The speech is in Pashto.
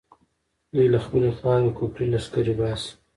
دوی له خپلې خاورې کفري لښکر باسي.